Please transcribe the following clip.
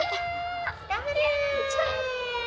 頑張れ。